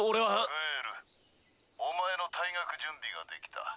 グエルお前の退学準備が出来た。